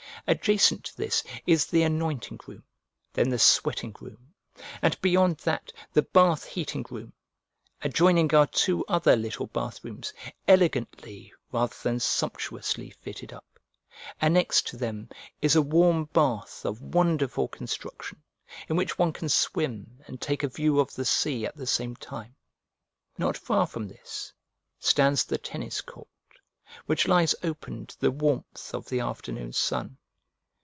Adjacent to this is the anointing room, then the sweating room, and beyond that the bath heating room: adjoining are two other little bath rooms, elegantly rather than sumptuously fitted up: annexed to them is a warm bath of wonderful construction, in which one can swim and take a view of the sea at the same time. Not far from this stands the tennis court, which lies open to the warmth of the afternoon sun.